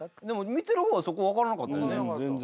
でも見てる方はそこ分からなかったよね。